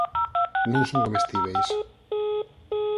Non son comestíbeis.